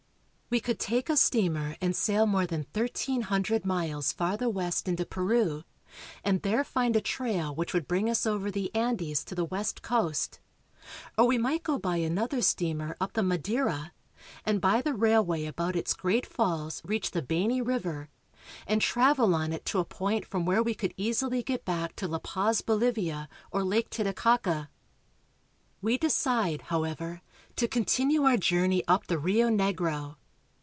We could take a steamer and sail more than thirteen ON THE ORINOCO. 327 hundred miles farther west into Peru, and there find a trail which would bring us over the Andes to the west coast, or we might go by another steamer up the Madeira, and by the railway about its great falls reach the Beni river and travel on it to a point from where we could easily get back to La Paz, Bolivia, or Lake Titicaca. We decide, however, to continue our journey up the Rio Negro.